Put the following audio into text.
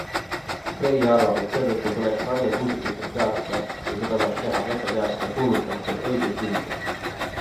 Frey arvab, et seetõttu tuleks raie kuusikutes peatada ja seda saaks teha metsaseaduse kuulutamisel õigustühiseks.